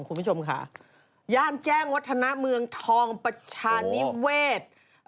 คุณผู้ชมค่ะย่านแจ้งวัฒนาเมืองทองประชานิเวศ